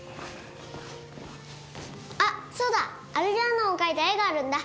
あそうだ！アルジャーノンを描いた絵があるんだ。